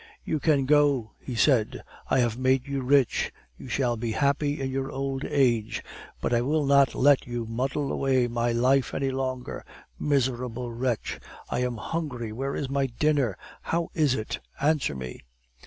"You can go," he said. "I have made you rich; you shall be happy in your old age; but I will not let you muddle away my life any longer. Miserable wretch! I am hungry where is my dinner? How is it? Answer me!"